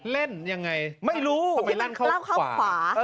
เล่นยังไงทำไมลั่นเข้าขวาทำไมลั่นเข้าขวา